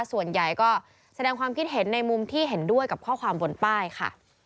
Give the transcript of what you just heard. ส่วนใหญ่ก็แสดงความคิดเห็นในมุมที่เห็นด้วยกับข้อความบนป้ายค่ะ